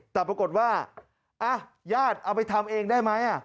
แต่ปรากฏว่าญาติเอาไปทำเองได้ไหม